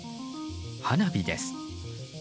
花火です。